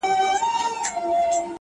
لاس زما مه نيسه چي اور وانـــخــلـې’